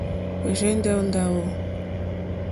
Ɔ̀rzɛ̀ndɛ́ ó ndáwò.